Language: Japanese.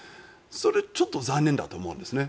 それはちょっと残念だと思うんですね。